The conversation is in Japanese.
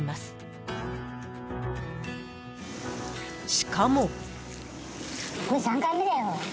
［しかも］